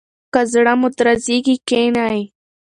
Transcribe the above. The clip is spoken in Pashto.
که زړه مو درزیږي کښینئ.